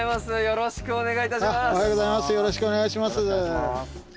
よろしくお願いします。